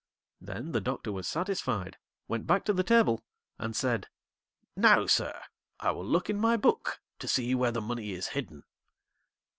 Then the Doctor was satisfied, went back to the table, and said 'Now, Sir, I will look in my book to see where the money is hidden.'